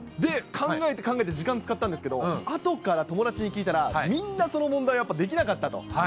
考えて考えて時間使ったんですけど、あとから友達に聞いたら、みんなその問題、やっぱりできなかったと。